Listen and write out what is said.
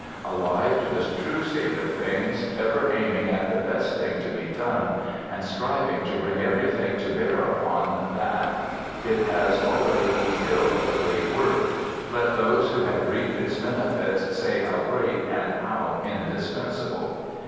Alive to the true state of things, ever aiming at the best thing to be done, and striving to bring everything to bear upon that, it has already fulfilled a great work,—let those who have reaped its benefits say how great and how indispensable.